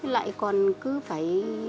lại còn cứ phải